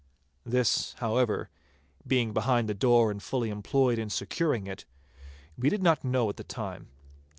This, however, being behind the door and fully employed in securing it, we did not know at the time.